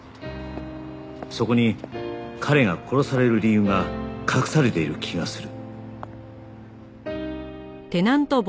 そこに彼が殺される理由が隠されている気がする